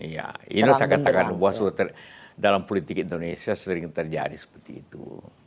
ya ini saya katakan bahwa dalam politik indonesia sering terjadi seperti itu